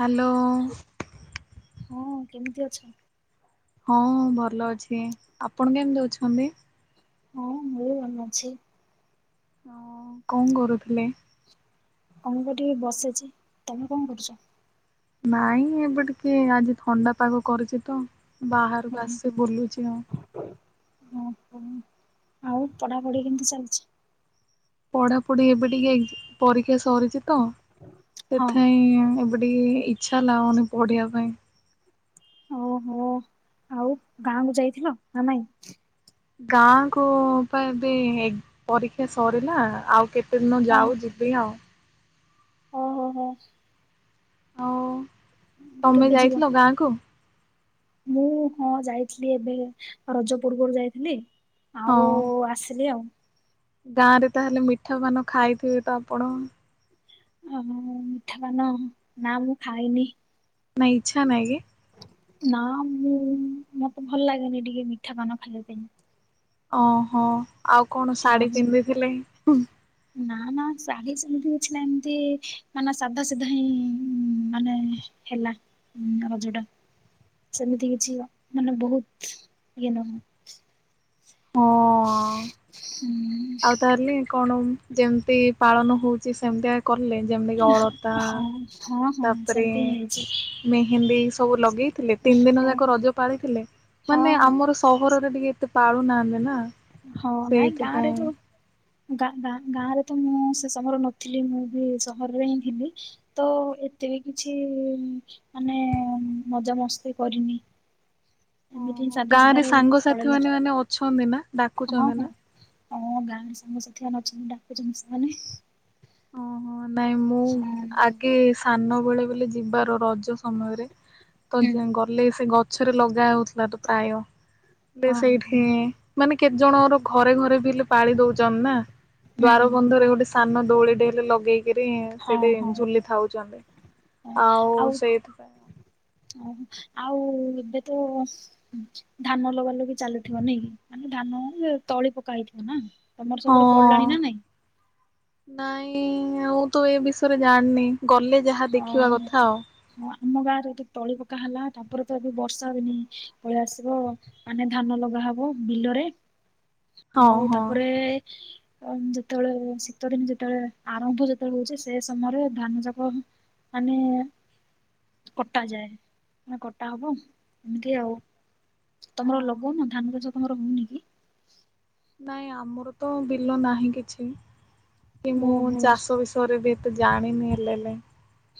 Hello. ହଁ କେମିତି ଅଛ? ହଁ ଭଲ ଅଛି ଆପଣ କେମିତି ଅଛନ୍ତି? ହଁ ମୁଁ ଭଲ ଅଛି। ହଁ କଣ କରୁଥିଲେ? କଣ କରିବି ବସଛି ତମେ କଣ କରୁଛ? ନାଇଁ ଏବେ ଟିକେ ଆଜି ଥଣ୍ଡା ପାଗ କରିଛି ତ ବାହାରକୁ ଆସି ବୁଲୁଛି ମୁଁ। ଓହୋ ଆଉ ପଢାପଢି କେମିତି ଚାଲିଛି? ପଢାପଢି ଏବେ ଟିକେ ଏଗଜ ପରୀକ୍ଷା ସରିଛି ତ ହଁ ସେଥିପାଇଁ ଏବେ ଟିକେ ଇଚ୍ଛା ଲାଗୁନି ପଢିବା ପାଇଁ। ଓହୋ ଆଉ ଗାଁକୁୁ ଯାଇଥିଲ ନା ନାଇଁ? ଗାଁ କୁ ପା ଏବେ ଏଇ ପରୀକ୍ଷା ସରିଲା ଆଉ କେତେ ଦିନ ଯାଉ ଯି ବି ଆଉ। ଓ ହୋ ହୋ। ହଁ ତମେ କେବେ ଯିବ? ଯାଇଥିଲ ଗାଁକୁ? ମୁଁ ହଁ ଯାଇଥିଲି ଏବେ ରଜ ପୂର୍ବରୁ ଯାଇଥିଲି। ହଁ ଆଉ ଆସିଲି ଆଉ। ଗାଁ ରେ ତାହେଲେ ମିଠା ପାନ ଖାଇଥିବେ ତ ଆପଣ? ହଁ ମିଠାପାନ ନା ମୁଁ ଖାଇନି। ନାଇଁ ଇଚ୍ଛା ନାହିଁ କେ? ନା ମୁଁ ମତେ ଭଲ ଲାଗେନି ଟିକେ ମିଠା ପାନ ଖାଇବା ପାଇଁ। ଓହୋ ଆଉ କଣ ଶାଢ଼ୀ ହଁ ପିନ୍ଧିଥିଲେ? ନା ନା ଶାଢ଼ୀ ସେମିତି କିଛି ନାହିଁ ଏମତି ମାନେ ସାଧା ସିଧା ହିଁ ମାନେ ହେଲା ହଁ ଅଝଟା। ସେମିତି କିଛି ମାନେ ବହୁତ ଇଏ ନୁହ। ହଁ। ଉଁ। ଆଉ ତାହେଲେ କଣ ଯେମିତି ପାଳନ ହଉଛି ସେମିତିଆ କଲେ। ଯେମତିକି ଅଳତା ହଁ ହଁ। ହଁ ତାପରେ ସେମିତି ହିଁ ହେଇଛି ମେହେନ୍ଦୀ ସବୁ ଲଗେଇଥିଲେ ତିନି ଦିନ ହଁ ଯାକ ରଜ ପାଳିଥିଲେ। ହଁ ମାନେ ହଁ ଆମର ସହରରେ ଟିକେ ଏତେ ପାଳୁ ନାହାନ୍ତି ନା। ହଁ ନାଇଁ ଗାଁ ସେଇଥିପାଇଁ ରେ ଯୋଉ ଗାଁ ଗାଁ ରେ ତ ମୁଁ ସେ ସମୟର ନଥିଲି ମୁଁ ବି ସହରରେ ହିଁ ଥିଲି। ତ ଏତେ ବି କିଛି ମାନେ ମଜା ମସ୍ତି କରିନି। ଏମିତି ହ ଓହୋ ସାଧା ଗାଁ ସିଧା ରେ ସାଙ୍ଗସାଥି ପଳେଇଲା ମାନେ ମାନେ ଅଛନ୍ତି ନା ହଁ ଡାକୁଛନ୍ତି ହଁ। ନା ହଁ ଗାଁ ସାଙ୍ଗସାଥୀ ମାନେ ଅଛନ୍ତି ଡାକୁୁଛନ୍ତି ସେମାନେ। ଓଁ ହଁ ନାଇଁ ମୁଁ ହୁଁ ଆଗେ ସାନ ବେଳେ ବୋଲି ଯିବାର ରଜ ସମୟରେ ତ ଗଲେ ସେ ଗ ଛରେ ଲଗା ହଉଥିଲା ତ ପ୍ରାୟ। ହେଲେ ହଁ ସେଇଠି ମାନେ କେତେ ଜଣର ଘରେ ଘରେ ବି ହେଲେ ପାଳି ଦଉଛନ୍ତି ନା। ହୁଁ ଦ୍ଵାର ବନ୍ଧରେ ଗୋଟେ ସାନ ଦୋଳି ଟି ହେଲେ ଲଗେଇକି ରି ହଁ ସେଠି ହଁ ଝୁଲି ଥାଉଛନ୍ତି ଆଉ ସେଇଥି ହଉ ଆଉ ଏବେ ତ ଧାନ ଲଗା ଲଗି ଚାଲିଥିବ ନାଇ ମାନେ ଧାନ ତଳି ପକା ହେଇଥିବ ନା। ତମର ହଁ ସେପଟେ ପଡିଲାଣି ନା ନାଇଁ? ନାଇଁ ମୁଁ ତ ଏ ବିଷୟରେ ଜାଣିନି ଗଲେ ଯାହା ହଁ ଦେଖିବା କଥା ଆଉ। ହଁ ଆମ ଗାଁରେ ଏ ତଳି ପକା ହେଲା ତାପରେ ତ ଏବେ ବର୍ଷା ହନି ପଳେଇ ଆସିବ। ମାନେ ଧାନ ଲଗା ହବ ବିଲରେ ଆଉ ତାପରେ ଯେତେବେଳେ ଶୀତ ଦିନ ଯେତେବେଳେ ଆରମ୍ଭ ଯେତେବେଳେ ହଉଛି ସେ ସମୟରେ ଧାନ ଯାକ ମାନେ କଟା ଯାଏ, ମାନେ କଟା ହବ ଏମିତି ଆଉ। ହଁ। ତମର ଲଗଉନ ଧାନ ଚାଷ ତମର ହଉନି କି? ନାଇଁ ଆମର ତ ବିଲ ନାହିଁ କିଛି କି ମୁଁ ଓହୋ ଚାଷ ବି ପରେ ବି ଏତେ ଜାଣିନି ହେଲେ ଲେ।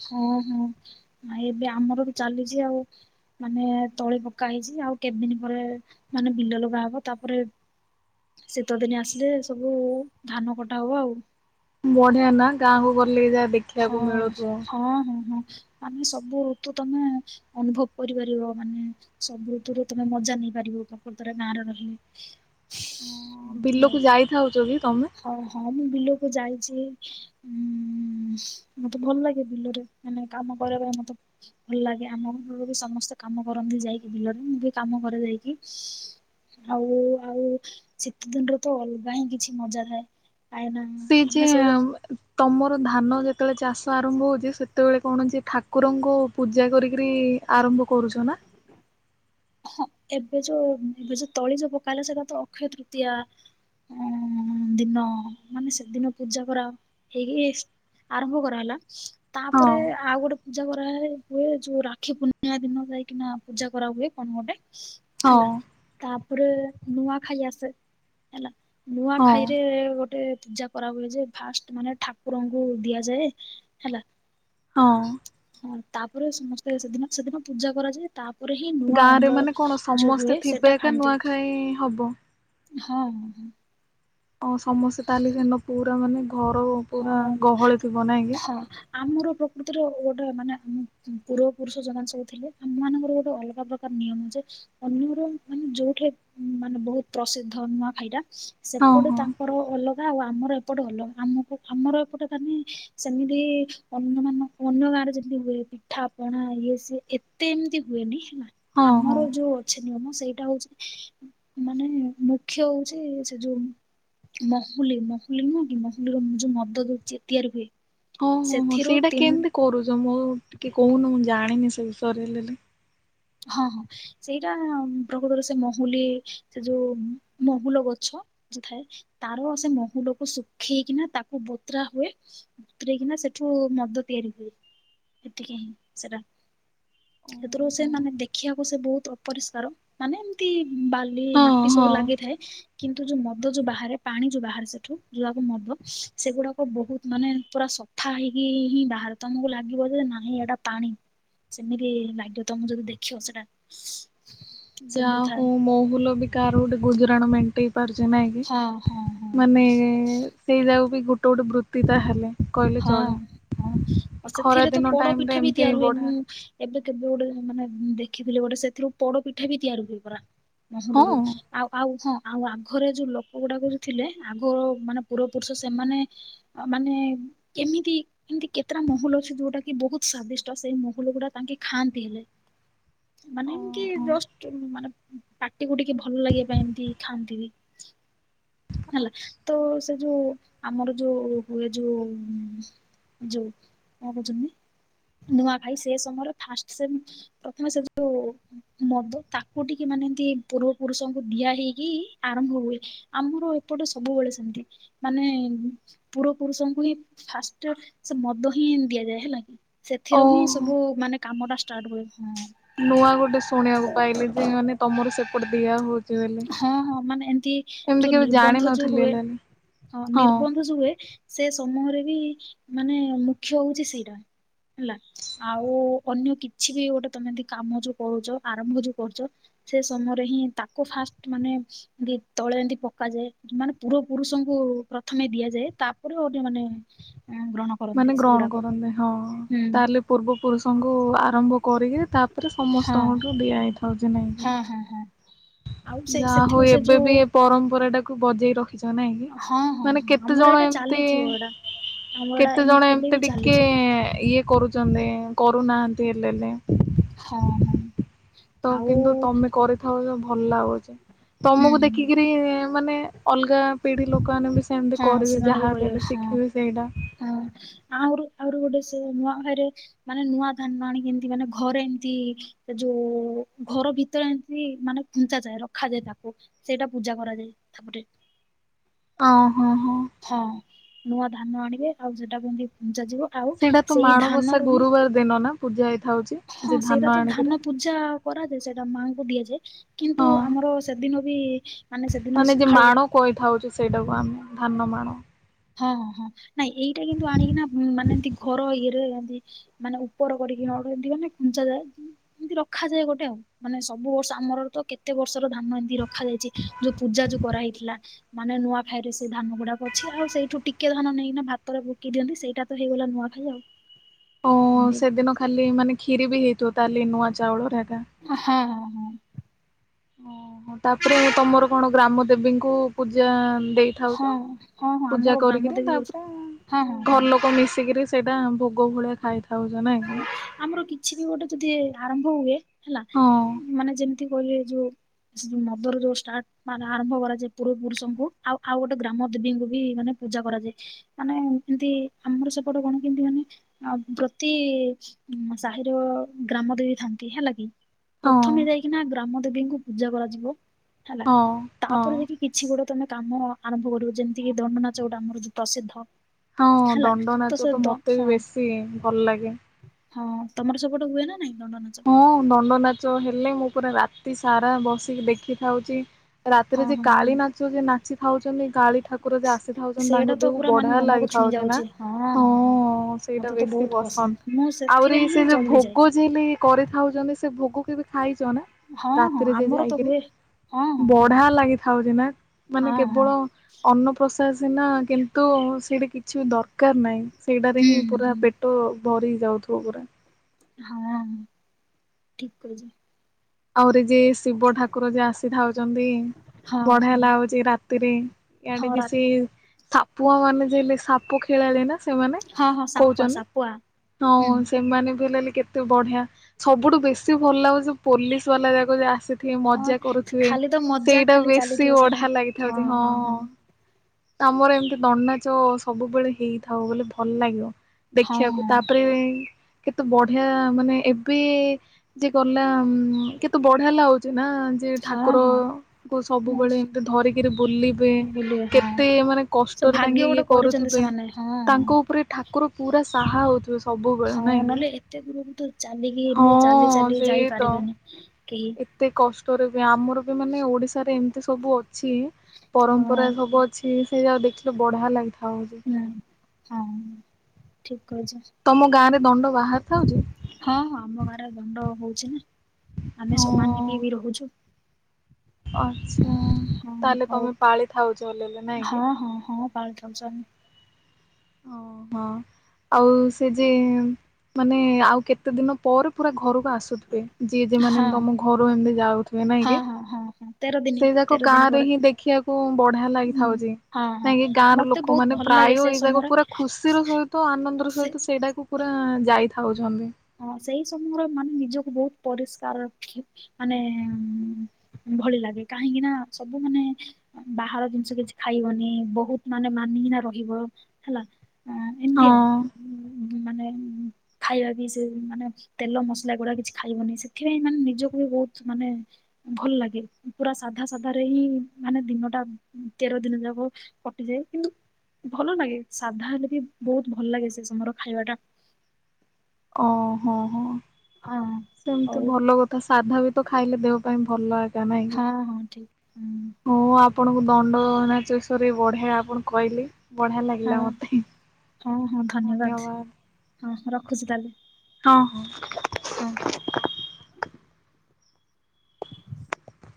ହଁ, ହଁ, ନା ଇଁ ଏବେ ଆମର ବି ଚାଲିଛି ଆଉ। ମାନେ ତଳି ପକା ହେଇଛି ଆଉ କେତେ ଦିନ ପରେ ମାନେ ବିଲ ଲଗା ହବ ତା ପରେ ଶୀତ ଦିନ ଆସିଲେ ସବୁ ଧାନ କଟା ହବ ଆଉ। ବଢିଆ ନା ଗାଁକୁ ଗଲେ ଯାହା ଦେଖି ହଁ, ହଁ, ହଁ, ହଁ, ଆମେ ସବୁ ଋତୁ ତମେ ଅନୁଭବ କରିପାରିବ ମାନେ ସବୁ ଋତୁରେ ତମେ ମଜା ନେଇପାରିବ ପ୍ରକୁତରେ ଗାଁ ରେ ରହିଲେ। ଓ ଏମିତି ଆଉ ବିଲକୁ ଯାଇ ଥାଉଛ କି ତମେ। ହଁ, ହଁ, ମୁଁ ବିଲକୁ ଯାଇଛି। ହୁଁ, ମତେ ଭଲ ଲାଗେ ବିଲରେ ମାନେ କାମ କରିବା ପାଇଁ ମତେ ଭଲ ଲାଗେ ଆମ ଘରେ ବି ସମସ୍ତେ କାମ କରନ୍ତି ଯାଇକି ବିଲରେ ମୁଁ ବି କାମ କରେ ଯାଇକି। ଆଉ, ଆଉ ଶୀତ ଦିନରେ ତ ଅଲଗା ହିଁ କିଛି ମଜା ଥାଏ। କାହିଁକିନା ସି ଯେ ଆମେ ସବୁ ଆ ତମର ଧାନ ଯେତେବେଳେ ଚାଷ ଆରମ୍ଭ ହଉଛି ସେତେବେଳେ କଣଛି ଠାକୁରଙ୍କୁ ପୂଜା କରି କିରୀ ଆରମ୍ଭ କରୁଛ ନା? ହଁ, ଏବେ ଯୋଉ ଏବେ ଯୋଉ ତଳି ଯୋଉ ପକାହେଲା ସେଟା ତ ଅକ୍ଷୟ ତୃତୀୟା। ହ, ଦିନ ମାନେ ସେଦିନ ପୂଜା କରା ହେଇକି। ଆରମ୍ଭ କରା ହେଲା। ତା ପରେ ହଁ। ଆଉ ଗୋଟେ ପୂଜା କରାଏ ହୁଏ, ଯୋଉ ରାକ୍ଷୀ ପୂର୍ଣ୍ଣିମା ଦିନ ଯାଇକିନା ପୂଜା କରା ହୁଏ। କଣ ଗୋଟେ ହଁ ହେଲା ତାପରେ ନୂଆ ଖାଇ ଆସେ। ହେଲା ନୂଆ ହଁ ଖାଇରେ ଗୋଟେ ପୂଜା କରା ହୁଏ ଯେ ଫାଷ୍ଟ ମାନେ ଠାକୁରଙ୍କୁ ଦିଆଯାଏ ହେଲା। ହଁ ହଁ, ତାପରେ ସମସ୍ତେ ସେଦିନ ସେଦିନ ପୂଜା କରାଯାଏ ତା ପରେ ହିଁ। ନୂଆ ଗାଁ ରେ ଅମ୍ଳ ମାନେ କଣ ଯୋଉ ସମସ୍ତେ ହୁଏ ଥିବେ ସେଟା ଏକା ଖାଆନ୍ତି, ନୂଆଖାଇ ହବ। ହଁ। ଅ ସମସ୍ତେ ତା ହେଲେ ସେଦିନ ପୁରା ମାନେ ଘର ପୁରା ହଁ ଗହଳି ଥିବ ନାଇଁ କିି। ହଁ ଆମର ପ୍ରକୃତରେ ଗୋଟେ ମାନେ ଆମ ପୂର୍ବ ପୁରୁଷ ଜଉମନେ ସବୁ ଥିଲେ ଆମ ମାନଙ୍କର ଗୋଟେ ଅଲଗା ପ୍ରକା। ତ ନିୟମ ଯେ ଅନ୍ୟର ମାନେ ଯୋଉଠି ମାନେ ବହୁତ ପ୍ରସିଦ୍ଧ ନୂଆ ଖାଇଟା। ହଁ ସେପଟେ ହଁ ତାଙ୍କର ଅଲଗା ଆଉ ଆମର ଏପଟେ ଅଲଗା ଆମକୁ। ଆମର ଏପଟେ କାନେ ସେମିତି ଅନ୍ୟ ମାନ ଅନ୍ୟ ଗାଁରେ ଯେମିତି ହୁଏ। ପିଠା ପଣା ଇଏ ସିଏ ଏତେ ଏମିତି ହୁଏନି ହେଲା ହଁ ହଁ। ଆମର ଯୋଉ। କିଛି ନିୟମ ସେଇଟା ହଉଛି ମାନେ ମୁଖ୍ୟ ହଉଛି ସେ ଯୋଉ। ମହୁଲି, ମହୁଲି ନୁହଁ କି ମହୁଲି ର ମୁ ଯୋଉ ମଦ ତିଆରି ହୁଏ। ହଁ, ହଁ, ହଁ, ସେଥିରୁ ସେଇଟା ତିନି କେମିତି କରୁଛ ମୁଁ ଟିକେ କହୁନୁ ମୁଁ ଜାଣିନି ସେ ବିଷୟରେ ହେଲେଲେ। ହଁ, ହଁ। ସେଇଟା ପ୍ରକୃତରେ ସେ ମହୁଲି ସେ ଯୋଉ ମହୁଲ ଗଛ ଯୋଉ ଥାଏ। ତାର ସେ ମହୁଲକୁ ଶୁଖେଇ କିନା ତାକୁ ବତୁରା ହୁଏ। ଵତୁରେକିନ କିନା ସେଠୁ ମଦ ତିଆରି ହୁଏ, ଏତିକି ହିଁ ସେଟା। ସେଥିରୁ ଓହୋ ସେମାନେ ଦେଖିବାକୁ ସେ ବହୁତ ଅପରିଷ୍କାର ମାନେ ଏମତି ବାଲି ହଁ ମାଟି ସବୁ ହଁ। ଲାଗିଥାଏ। କିନ୍ତୁ ଯୋଉ ମଦ ଯୋଉ ବାହାରେ ପାଣି ଯୋଉ ବାହାରେ ସେଠୁ ଯଉଆକୁ ମଦ ସେଗୁଡାକ ବହୁତ ମାନେ। ପୁରା ସଫା ହେଇକି ହିଁ ବାହାରେ ତମକୁ ଲାଗିବ ଯେ ନାଇଁ ଏଟା ପାଣି ସେମିତି ଲାଗିବ ତମକୁ ଯଦି ଦେଖିବ ସେଟା। ଯା ସେମିତି ଥାଏ। ହଉ ମହୁଲ ବି କାହାର ଗୋଟେ ଗୁଜୁରାଣ ମେଣ୍ଟିଇ। ପାରୁଚି ନାଇଁ କି ହଁ ହଁ ହଁ ମାନେ ସେଇ ଯାଉକୁ ବି ଗୋଟେ ଗୋଟେ ବୃତ୍ତି ତା ହେଲେ। କହିଲେ ହଁ, ଚଳେ। ହଁ, ଆଉ ଏ ଖରା ସେଥିରେ ତ ଦିନ ପୋଡ ଟାଇମ ରେ ପିଠା ବି ଏମିତି ତିଆରି ହୁଏ, ବଢା ମୁଁ ଏବେ କେବେ ଗୋଟେ ମାନେ ଦେଖିଥିଲି ଗୋଟେ ସେଥିରୁ ପୋଡ ପିଠା ବି ତିଆରି ହୁଏ ପରା ହଁ ମହୁଲରୁ ଆଉ ଆଉ ହଁ ଆଉ ଆଘରେ ଯୋଉ ଲୋକ ଗୁଡାକ ଯୋ ଥିଲେ ଆଘ ମାନେ ପୂରବ ପୁରୁଷ ସେମାନେ ମାନେ କେମିତି ଏମିତି କେତେଟା ମହୁଲ ଅଛି ଯୋଉଟା କି ବହୁତ ସ୍ଵାଦିଷ୍ଟ ସେଇ ମହୁଲ ଗୁଡା ତାଙ୍କେ ଖାଆନ୍ତି ହେଲେ ମାନେ ଏମିତି ଓହୋ ଜଷ୍ଟ ମାନେ ପାଟିକୁ ଟିକେ ଭଲ ଲାଗିବା ପାଇଁ ଏମତି ଖାଆନ୍ତି ବି ହେଲା ଆଚ୍ଛା ତ ସେ ଯୋଉ ଆମର ଯୋଉ ହୁଏ ଯୋଉ ହୁମ ଯଉ କଅ କହୁଥିଲି ନୂଆଖାଇ ସେ ସମୟରେ ଫାର୍ଷ୍ଟ ସେ ପ୍ରଥମେ ସେ ଯଉ ମଦ ତାକୁ ଟିକେ ମାନେ ଏମିତି ପୂର୍ବ ପୁରୁଷଙ୍କୁ ଦିଆ ହେଇକି ଆରମ୍ଭ ହୁଏ ଆମର ଏପଟେ ସବୁବେଳେ ସେମିତି ମାନେ ପୂରବ ପୁରୁଷଙ୍କୁ ହିଁ ଫାଷ୍ଟ ସେ ମଦ ହିଁ ଦିଆଯାଏ ହେଲା ସେଥିରୁ ହିଁ ଓହୋ ସବୁ ମାନେ କାମଟା ଷ୍ଟାର୍ଟ ହୁଏ ହଁ ନୂଆ ଗୋଟେ ଶୁଣିବାକୁ ପାଇଲି ଯେ ମାନେ ତମର ସେପଟେ ଦିଆ ହଉ ହଁ ହଁ ମାନେ ଏମିତି ଯୋଉ କେବେ ନିର୍ବନ୍ଧ ଯୋଉ ଜାଣିନଥିଲି ହୁଏ ହେଲେ ହଁ ନିର୍ବନ୍ଧ ଯୁଉ ହୁଏ। ସେ ସମୟରେ ବି ମାନେ ମୁଖ୍ୟ ହଉଛି ସେଇଟା ହେଲା ଆଉ ଅନ୍ୟ କିଛି ବି ଗୋଟେ ତମେ କାମ ଯୋଉ କରୁଛ ଆରମ୍ଭ ଯୋଉ କରୁଛ ସେ ସମୟରେ ହିଁ ତା କୁ ଫାଷ୍ଟ ମାନେ ଏ ତଳେ ଏମିତି ପକାଯାଏ ମାନେ ପୂରବ ପୁରୁଷଙ୍କୁ ପ୍ରଥମେ ଦିଆଯାଏ ତାପରେ ଅନ୍ଯ ମାନେ ହଁ ଗ୍ରହଣ କରନ୍ତି ମାନେ ଗ୍ରହଣ ସେଗୁଡାକ କରନ୍ତି ହଁ ହୁଁ ତାହେଲେ ପୂର୍ବ ପୁରୁଷଙ୍କୁ ଆରମ୍ଭ କରିକି ତାପରେ ସମସ୍ତଙ୍କଠୁ ଡିଆ ହେଇଥାଉଛି ନାଇକି। ହୁଁ ହୁଁ। ଯାହା ହଉ ଏବେ ବି ଏ ପରମ୍ପରା ଟାକୁ ବଜେଇ ରଖ ଖିଚ ନାଇଁ କି ହଁ ହଁ ମାନେ ହଁ କେତେ ଆମର ଜଣ ଏଇଟା ଏମତି ଚାଲିଥିବ ଏଇଟା ଆମର କେତେ ଏଇଟା ଜଣ ଏମ ଏବେ ବି ଏମିତି ଟିକେ ଚାଲିଛି ଇଏ କରୁଛନ୍ତି କରୁନାହାନ୍ତି ହେଲେ ବି ହଁ ହଁ। ତ ଆଉ କିନ୍ତୁ ତମେ କରିଥାଉଚ ଭଲ ଲାଗୁଛି ହୁଁ ତମକୁ ହୁଁ ଦେଖିକି ମତି ମାନେ ଅଲଗା ପିଢି ଲୋକମାନେ ବି ସେମିତି ହଁ କରିବେ ଯାହା ହେଲେ ଶିଖିବେ ସେଇଟା। ହ ଆହୁରି ଆହୁରି ଗୋଟେ ସେ ନୂଆ ଖାଇରେ ମାନେ ନୂଆ ଧାନ ଆଣିକି ଏମତି ମାନେ ଘରେ ଏମିତି ଯୋଉ ଘର ଭିତରେ ଏମତି ମାନେ ଖୁଞ୍ଚା ଯାଏ ରଖାଯାଏ ତାକୁ। ସେଇଟା ପୂଜା କରାଯାଏ ତାପରେ। ଓ ହୋ ହଁ। ହଁ ନୂଆ ଧାନ ଆଣିବେ ଆଉ ସେଟାକୁ ଏମିତି ଖୁଂଚା ଯିବ। ଆଉ ସେଇଟା ତ ସେଇ ମାଣବସା ଧାନରୁ ହିଁ ଗୁରୁବାର ଦିନ ନା ପୂଜା ହେଇଥାଉଛି ହଁ ଯେ ସେଇଟା ତ ଆଣିକିରି। ଧାନ ପୂଜା କରାଯାଏ ସେଟା ମାଙ୍କୁ ଦିଆଯାଏ କିନ୍ତୁ ହଁ ଆମର ସେଦିନ ବି ସେଦିନ ମାନେ ଯେ ସକାଳୁ ମାଣ କହିଥାଉଛୁ ସେଇଟାକୁ ଆମେ ଧାନ ମାଣ। ହଁ ହଁ ନାଇଁ ଏଇଟା କିନ୍ତୁ ଆଣିକିନା ମାନେ ଏମତି ଘର ଇଏରେ ଏନ୍ତି ମାନେ ଉପର କରିକି [unintelligible] ଦିଅନ୍ତି ଖୁଞ୍ଚା ଯାଏ। ଏମିତି ରଖାଯାଏ ଗୋଟେ ଆଉ ମାନେ ସବୁ ବର୍ଷ ଆମର ତ କେତେ କେତେ ବର୍ଷର ଧାନ ଏମିତି ରଖାଯାଇଛି ଯୋଉ ପୂଜା ଯୋଉ କରାହେଇଥିଲା। ମାନେ ନୂଆ ଖାଇ ରେ ସେଇ ଧାନ ଗୁଡା ଅଛି। ଆଉ ସେଇଠୁ ଟିକେ ଧାନ ନେଇକିନା ଭାତରେ ପକେଇ ଦିଅନ୍ତି ସେଇଟା ତ ହେଇଗଲା ନୂଆଖାଇ ଆଉ। ଓ ଏମତି ସେଦିନ ଖାଲି ମାନେ କ୍ଷୀରି ବି ହେଇଥିବ ତାହେଲେ ନୂଆ ଚାଉଳରେ ଏକା। ହଁ ହଁ। ଓହୋ ତାପରେ ତମର କଣ ଗ୍ରାମ ଦେବୀଙ୍କୁ ପୂଜା ଦେଇ ହଁ ଥାଉଛ ହଁ ହଁ ହଁ ପୂଜା ଆମର ଗ୍ରାମ କରିକିରି ଦେବୀ ଓଷା ତାପରେ ହଁ ହଁ ଘର ହଁ ଲୋକ ମିଶିକିରି ସେଇଟା ଭୋଗ ଭଳିଆ ଖାଇଥାଉଛ ନାଇ ହଁ କି। ଆମର କିଛି ବି ଗୋଟେ ଯଦି ଆରମ୍ଭ ହୁଏ ହେଲା ହଁ ମାନେ ଯେମିତି କହିଲେ ଯୋଉ ସେ ମଦର ଯୋଉ ଷ୍ଟାର୍ଟ ମାନେ ଆରମ୍ଭ କରାଯାଏ ପୂର୍ବ ପୁରୁଷଙ୍କୁ ଆଉ ଆଉ ଗୋଟେ ଗ୍ରାମ ଦେବୀଙ୍କୁ ବି ମାନେ ପୂଜା କରାଯାଏ ମାନେ ଏମତି ଆମର ସେପଟ କଣ କେମତି ମାନେ ଆଉ ବ ପ୍ରତି ସାହିର ଗ୍ରାମ ଦେବି ଥାନ୍ତି ହେଲା କି। ହଁ ପ୍ରଥମେ ଯାଇକିନା ଗ୍ରାମ ଦେବୀଙ୍କୁ ପୂଜା କରାଯିବ ହେଲା ହଁ ହଁ ତାପରେ ଯାଇକି କିଛି ଗୋଟେ ତମେ କାମ ଆରମ୍ଭ କରିବ ଯେମିତି କିି ଦଣ୍ଡ ନାଚ ଗୋଟା ଆମର ଯୋଉ ପ୍ରସିଦ୍ଧ। ହଁ ହେଲା ଦଣ୍ଡ ସେ ନାଚ ତ ଦ ମତେ ହଁ ବି ବେଶୀ ଭଲ ଲାଗେ। ହଁ ତମର ସେ ପଟେ ହୁଏ ନା ନାଇଁ ଦଣ୍ଡ ନାଚ। ହଁ ଦଣ୍ଡ ନାଚ ହେଲେ ମୁଁ ପୁରା ରାତି ସାରା ବସିକି ଦେଖିଥାଉଛି। ହଁ ରାତିରେ ଯେ ହଁ ହଁ କାଳି ନାଚ ଯେ ନାଚି ଥାଉଛନ୍ତି କାଳି ଠାକୁର ଯେ ଆସିଥାଉଛନ୍ତି ସେଇଟା ତାଙ୍କ ତ ଦେହକୁ ପୁରା ମାନେ ବଢିଆ ମନକୁ ଲାଗି ଛୁଇଁ ଥାଉଛି ନା ଯାଉଛି ହଁ ସେଇଟା ମତେ ତ ବେଶୀ ବହୁତ ପସନ୍ଦ ମୁଁ ଆହୁରି ସେଥିପାଇଁ ହିଁ ସେ ଯୋଉ ଜଲ୍ଦି ଯାଏ ଭୋଗ ଯେ ଲି କରିଖାଉଛନ୍ତି ସେ ଭୋଗ କେବେ ଖାଇଛ ନା। ହଁ ହଁ ରାତିରେ ଯ ଆମର ତ ଯାଇକିରି ହୁଏ। ହଁ ହଁ ହଁ ବଢିଆ ଲାଗିଥାଉଛି ନା ମାନେ ହଁ ହଁ କେବଳ ଅନ୍ନପ୍ରସାଦ ସିନା କିନ୍ତୁ ସେଇଟା କିଛି ବି ଦରକାର ନାହିଁ ସେଇଟାରେ ହୁଁ ହିଁ ପୁରା ହୁଁ ପେଟ ପେଟ ଭରି ହେଇଯାଉଥିବ ପୁରା। ହଁ ଠିକ କହିଚ। ଆହୁରି ଯେ ଶିବ ଠାକୁର ଯେ ଆସିଥାଉଛନ୍ତି। ହଁ ବଢିଆ ହଁ ଲାଗୁଛି ରାତିରେ ହଁ ଇଆଡ଼େ ରା ବି ସେ ସାପୁଆ ମାନେ ଯୋଉ ହେଲେ ସାପୁଆ ଖେଳାଳି ନା ସେମାନେ। ହଁ ହଁ ସାପୁଆ କହୁଛନ୍ତି ସାପୁଆ। ହଁ ହୁଁ। ସେମାନେ ବି ହେଲେ କେ ତେ ବଢିଆ ସବୁଠୁ ବେଶୀ ଭଲ ଲାଗୁଛି ପୋଲିସ ବାଲା ଯାକ ଆସି ହଁ ମଜା କରୁଥିବେ ଖାଲି ତ ମଜା ସେଇଟା ଖାଲି ବେଶୀ ଚାଲିଥିବ ସେଟା ବଢିଆ ଲାଗିଥାଉଛି ହଁ। ଆମର ଏମିତି ଦଣ୍ଡ ନାଚ ସବୁବେଳେ ହେଇଥାଉ ବୋଲି ଭଲ ଲାଗିବ। ହଁ ଦେଖିବାକୁ ହଁ ତାପରେ କେତେ ବଢିଆ ମାନେ ଏବେ ଯିଏ ଗଲା କେତେ ବଢିଆ ଲାଗୁଛି ନା ଯେ ହଁ ହଁ ଠାକୁରଙ୍କୁ ସବୁବେଳେ ଏମତି ଧରିକିରି ବୁଲିବେ ବୁଲିବେ ହଁ। କେତେ ମାନେ ସେ କଷ୍ଟରେ ଭାଗ୍ୟ ତାଙ୍କେ ଇଏ ଗୋଟେ କରିଛନ୍ତି କରୁଥିବେ ସେମାନେ ହଁ ହଁ। ତାଙ୍କ ଉପରେ ଠାକୁର ପୁରା ସାହା ହଉଥିବେ ସବୁବେଳେ ନାଇଁ ହଁ କି ନହେଲେ ଏତେ ଦୂରକୁ ତ ହଁ ସେଇ ତ କି କେତେ କଷ୍ଟରେ ବି ଆମର ମାନେ ଓଡିଶା ରେ ଏମିତି ସବୁ ଅଛି ହଁ ପରମ୍ପରା ସବୁ ଅଛି ସେଇ ଯାଗା ଦେଖିଲେ ବଢିଆ ଲାଗିଥାଉଛି। ହୁଁ ହଁ ଠିକ କହିଛ। ତମ ଗାଁ ରେ ଦଣ୍ଡ ବାହାରି ଥାଉଛି। ହଁ ହଁ ଆମ ଗାଁରେ ଦଣ୍ଡ ହଉଛି ନା ଆମେ ସବୁ ମାନିକି ବି ରହୁଛୁ। ଆଚ୍ଛା ହଁ ତାହେଲେ ହଉ ତମେ ପାଳି ଥାଉଛଲେ ହେଲେ ନାଇଁ କି? Five thousand. ଓ ହଁ। ଆଉ ସେ ଯେ ମାନେ ଆଉ କେତେ ଦିନ ପରେ ପୁରା ଘରକୁ ଆସୁଥି ଯିଏ ଯେ ମ ହଁ। ତମ ଘରୁ ଏମତି ଯାଉଥିବେ ନାଇଁ ହଁ କି ହଁ ହଁ ହଁ ତେର ଦିନି ସେଇ ଯାକ ତେର ଗାଁ ଦିନି ରେ ପରେ ହିଁ ଦେଖିବାକୁ ବଢିଆ ଲାଗିଥାଉଛି ହଁ ହଁ। କାଇଁକି ଗାଁ ର ମତେ ବହୁତ ଲୋକମାନେ ଭଲ ପ୍ରାୟ ଲାଗେ ସେ ଏଇ ଜାଗା ସମୟରେ ପୁରା ଖୁସି ର ସହିତ ଆନନ୍ଦର ସେ ସହିତ ସେଇଟାକୁ ପୁରା ଯାଇଥାଉଛନ୍ତି। ହଁ ସେଇ ସମୟରେ ମାନେ ନିଜକୁ ବହୁତ ପରିଷ୍କାର ରଖ ମାନେ ଏଭଳି ଲାଗେ କାହିଁକି ନା ସବୁ ମାନେ ବାହାର ଜିନିଷ କିଛି ଖାଇବନି ବହୁତ ମାନେ ମାନିକିନା ରହିବ ହେଲା। ଏମିତି ହଁ ଆଉ ମାନେ ଖାଇବା ବି ମାନେ ତେଲ ମସଲା ଗୁଡା କିଛି ଖାଇବନି ସେଥିପାଇଁ ମାନେ ନିଜକୁ ବି ବହୁତ ମାନେ ଭଲ ଲାଗେ ପୁରା ସାଧା ସାଧା ରେ ହିଁ ମାନେ ଦିନଟା ତେର ଦିନ ଯାକ କଟିଯାଏ କିନ୍ତୁ ଭଲ ଲାଗେ ସାଧା ହେଲେ ବି ବହୁତ ଭଲ ଲାଗେ ସେ ସମୟର ଖାଇବା ଟା। ଓ ହୋ ହୋ। ହଁ। ସେମିତି ହଉ ଭଲ କଥା ସାଧା ବି ତ ଖାଇଲେ ଦେହ ପାଇଁ ଭଲ ଏକା ନାଇଁ କି। ହଁ ହଁ ଠିକ। ହୁଁ। ହଁ ଆପଣଙ୍କୁ ଦଣ୍ଡ ନାଚଷରେ ବଢିଆ ଆପଣ କହିଲେ। ବଢିଆ ହଁ ଲାଗିଲା ହଁ ମତେ। ହଁ ହଁ ଧନ୍ୟବାଦ ହଁ ରଖୁଛି ତାହେଲେ। ହଁ ହଁ। ହଁ।